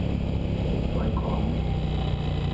ปล่อยของ